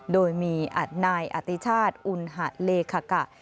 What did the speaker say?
โดยมีอัตนายอาติชาติอุณหาเลขกะ